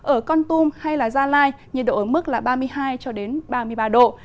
ở con tum hay là gia lai nhiệt độ ở mức là ba mươi hai ba mươi ba độ